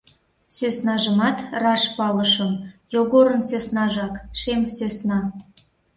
Сӧснажымат раш палышым: Йогорын сӧснажак, шем сӧсна.